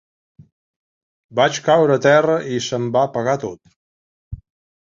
Vaig caure a terra i se’m va apagar tot.